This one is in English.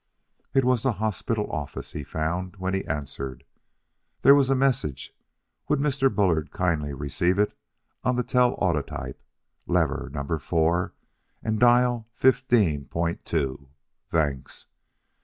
It was the hospital office, he found, when he answered. There was a message would Mr. Bullard kindly receive it on the telautotype lever number four, and dial fifteen point two thanks....